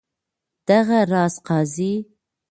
دغه راز قاضي.